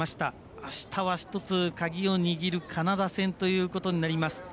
あしたは１つ鍵を握るカナダ戦ということになります。